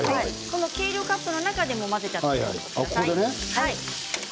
計量カップの中に混ぜてください。